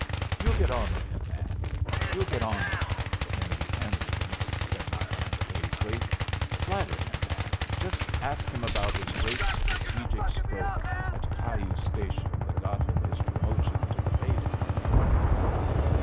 "You'll get on with him, man you'll get on with him in the ambulance," said my friend Paisley. "Flatter him, man. Just ask him about his great strategic stroke at Cayuse Station that got him his promotion to the pay department."